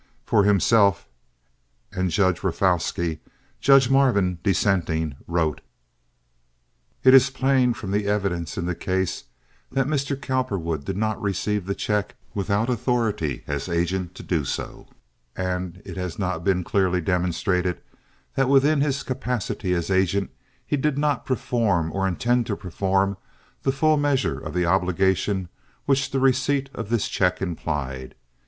For himself and Judge Rafalsky, Judge Marvin, dissenting, wrote: "It is plain from the evidence in the case that Mr. Cowperwood did not receive the check without authority as agent to do so, and it has not been clearly demonstrated that within his capacity as agent he did not perform or intend to perform the full measure of the obligation which the receipt of this check implied.